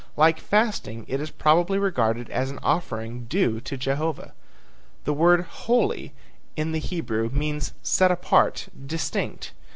Like fasting, it is probably regarded as an offering due to Jehovah. The word "holy" in the Hebrew means set apart, distinct.